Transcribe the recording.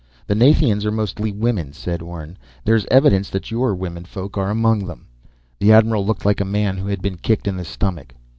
"The Nathians are mostly women," said Orne. "There's evidence that your womenfolk are among them." The admiral looked like a man who had been kicked in the stomach.